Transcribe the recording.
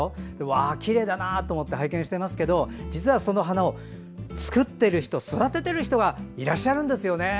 わあ、きれいだなと思って拝見してますけど実はその花を作っている人、育てている人がいらっしゃるんですよね。